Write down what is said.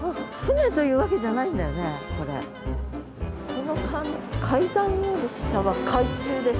「この階段より下は海中です」。